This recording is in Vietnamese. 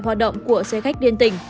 hoạt động của xe khách liên tỉnh